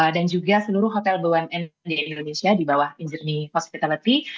dan juga seluruh hotel bumn di indonesia di bawah in journey hospitality